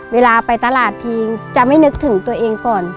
เวลาไปตลาดทีจะไม่นึกถึงตัวเองก่อน